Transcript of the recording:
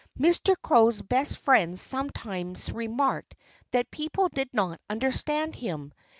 Mr. Crow's best friends sometimes remarked that people did not understand him.